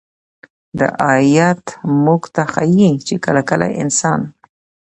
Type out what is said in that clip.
دا آيت موږ ته ښيي چې كله كله انسان